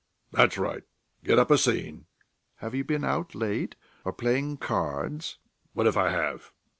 "That's right; get up a scene." "Have you been out late? Or playing cards?" "What if I have?